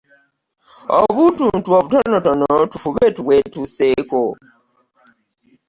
Obuntuntu obutonotono tufube tubwetuuseeko.